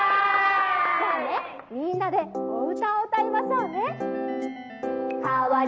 「じゃあねみんなでお歌を歌いましょうね」。